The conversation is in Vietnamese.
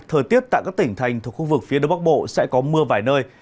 thời tiết tại các tỉnh thành thuộc khu vực phía đông bắc bộ sẽ có mưa vài nơi